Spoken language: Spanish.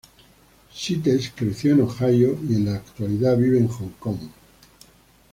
Sites creció en Ohio y en la actualidad vive en Hong Kong.